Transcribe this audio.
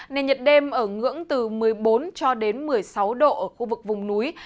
nên nhiệt đêm ở ngưỡng từ một mươi bốn cho đến một mươi sáu độ ở khu vực vùng núi